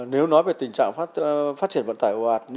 nếu nói về tình trạng phát triển vận tải ô ạt